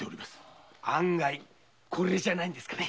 案外コレじゃないんですかね。